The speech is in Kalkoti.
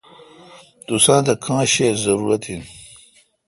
توساں تہ کاں شیہ زاروت این۔